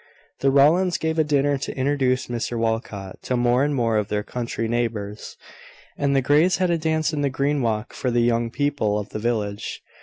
The Rowlands gave a dinner to introduce Mr Walcot to more and more of their country neighbours; and the Greys had a dance in the green walk for the young people of the village.